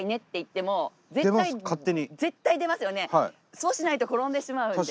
そうしないと転んでしまうので。